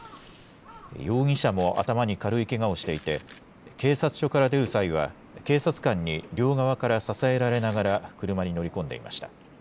容疑者も頭に軽いけがをしていて、警察署から出る際は、警察官に両側から支えられながら、車に乗り込んでいました。